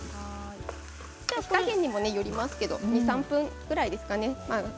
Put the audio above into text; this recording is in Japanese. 火加減にもよりますけど２、３分ぐらいですかね。